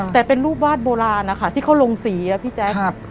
แต่เป็นรูปวาดโบราณนะคะที่เขาลงสีอะพี่แจ๊ค